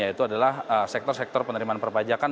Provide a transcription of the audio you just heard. yaitu adalah sektor sektor penerimaan perpajakan